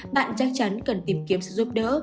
bạn chắc chắn cần tìm kiếm sự giúp đỡ